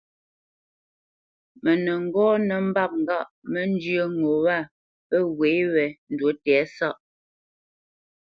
Mə nə́ ŋgɔ́ nə́ mbâp ŋgâʼ mə́ njyə́ ŋo wâ pə́ ŋgwê wé ndǔ tɛ̌sáʼ.